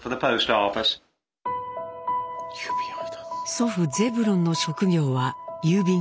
祖父ゼブロンの職業は郵便局員。